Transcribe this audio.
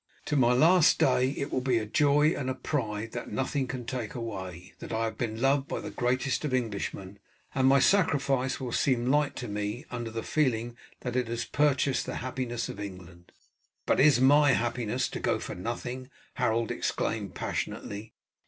To my last day it will be a joy and a pride, that nothing can take away, that I have been loved by the greatest of Englishmen, and my sacrifice will seem light to me under the feeling that it has purchased the happiness of England." "But is my happiness to go for nothing?" Harold exclaimed passionately.